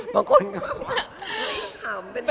บางคนคิดว่าขำเป็นอะไร